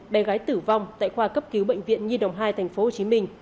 bé gái tử vong tại khoa cấp cứu bệnh viện nhi đồng hai tp hcm